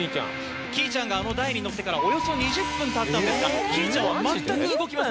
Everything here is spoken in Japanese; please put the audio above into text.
キィーちゃんがあの台にのってからおよそ２０分経ったんですがキィーちゃんは全く動きません。